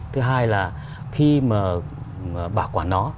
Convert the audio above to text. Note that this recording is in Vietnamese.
thứ hai là khi mà bảo quản nó